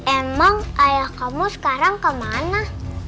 emang ayah kamu sekarang kemana